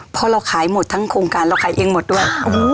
เพราะเราขายหมดทั้งโครงการเราขายเองหมดด้วย